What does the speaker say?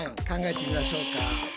考えてみましょうか。